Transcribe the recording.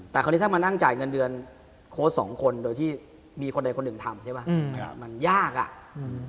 แต่คราวนี้ถ้ามานั่งจ่ายเงินเดือนโค้ชสองคนโดยที่มีคนใดคนหนึ่งทำใช่ไหมอืมครับมันยากอ่ะอืม